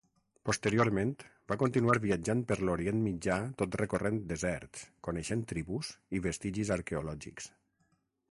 Posteriorment, va continuar viatjant per l'Orient Mitjà tot recorrent deserts, coneixent tribus i vestigis arqueològics.